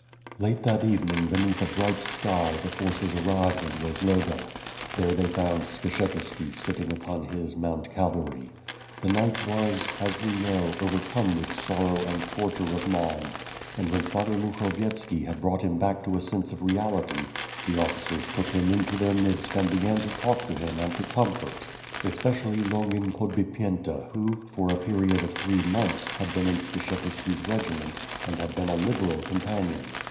Late that evening beneath a bright sky, the forces arrived in Rozloga. There they found Skshetu.ski sitting upon his ilount Calvary. The knight was, as we know, overcome with sorrow and torture of mind and when Father Mukhovyetski had brought him back to a sense of reality, the officers took him into their midst and began to talk to him and to comfort; especially Longin Podbipyenta who, for a period of three months, had been in Skshetuski's regiment, and had been a liberal companion.